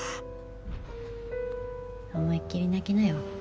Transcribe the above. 思いっきり泣きなよ。